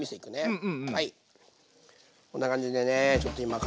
うん！